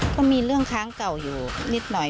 ก็มีเรื่องค้างเก่าอยู่นิดหน่อย